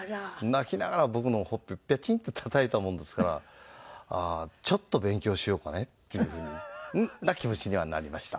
泣きながら僕のほっぺペチンってたたいたもんですからちょっと勉強しようかねっていう風な気持ちにはなりました。